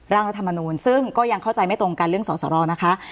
รัฐมนูลซึ่งก็ยังเข้าใจไม่ตรงกันเรื่องสอสรนะคะ